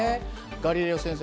ガリレオ先生